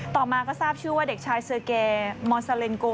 ต่อมาก็ทราบชื่อว่าเด็กชายเซอร์เกมอนซาเลนโก